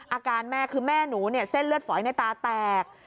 อาการแม่คือแม่หนูเนี่ยเส้นเลือดฝอยในตาแตก